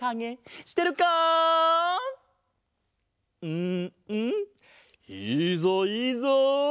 うんうんいいぞいいぞ！